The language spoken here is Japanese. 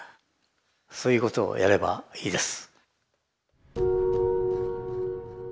そういうことをやればいいです。